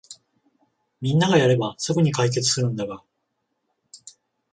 みんながやればすぐに解決するんだが